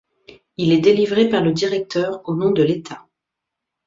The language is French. Il est délivré par le directeur au nom de l'État.